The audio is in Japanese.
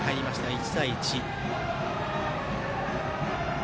１対１。